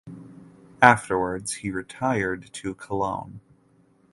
Afterwards he retired to Cologne.